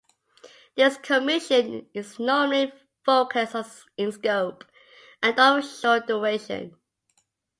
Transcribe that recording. This commission is normally focused in scope and of short duration.